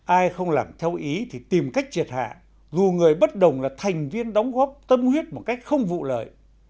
ai không làm theo ý thì tìm cách triệt hạ dù người bất đồng là thành viên đóng góp tâm huyết một cách không vụ lợi